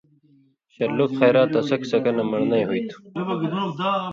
شرلُک خېرات اڅھک سکہ نہ من٘ڑنئ ہُوئ تُھو ۔